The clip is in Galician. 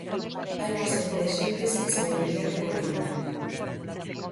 Hai unha serie de axentes que se deberían de coordinar.